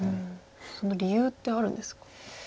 その理由ってあるんですか？